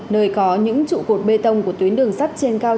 nơi có những trụ cột bê tông của tuyến đường sắt trên cao